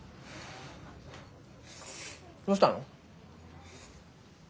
どしたの？